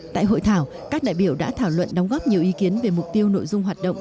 tại hội thảo các đại biểu đã thảo luận đóng góp nhiều ý kiến về mục tiêu nội dung hoạt động